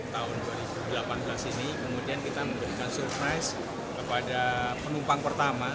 tahun dua ribu delapan belas ini kemudian kita memberikan surprise kepada penumpang pertama